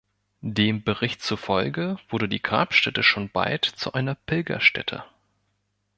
Dem Bericht zufolge wurde die Grabstätte schon bald zu einer Pilgerstätte.